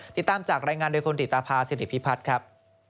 ติดตามจากรายงานโดยคนติดตาภาษณีย์พิพัฒน์ครับ